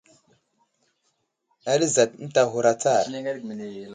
Ali azat ənta aghur atsar.